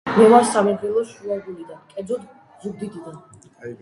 მე ვარ სამგრელოს შუაგულიდან, კერძოდ ზუგდიდიდან.